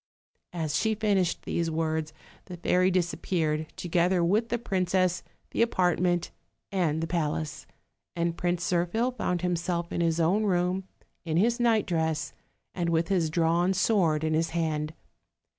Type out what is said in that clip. As she finished these words the fairy disappeared, to gether with the princess, the apartment and the palace, and Prince Zirphil found himself in his own room in his nightdress and with his drawn sAvord in his hand.